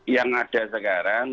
yang ada sekarang